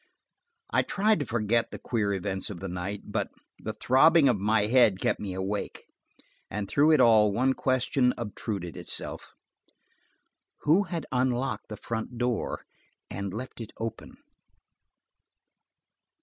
I tried to forget the queer events of the night, but the throbbing of my head kept me awake, and through it all one question obtruded itself–who had unlocked the front door and left it open?